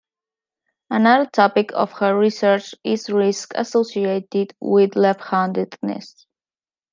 Another topic of her research is risks associated with left-handedness.